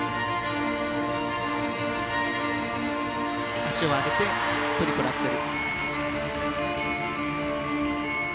足を上げてトリプルアクセル。